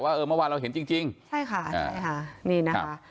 เออเมื่อวานเราเห็นจริงจริงใช่ค่ะใช่ค่ะนี่นะคะ